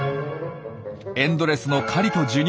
エンドレスの狩りと授乳。